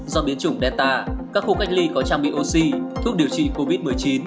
do biến chủng delta các khu cách ly có trang bị oxy thuốc điều trị covid một mươi chín